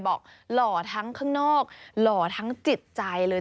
หล่อทั้งข้างนอกหล่อทั้งจิตใจเลย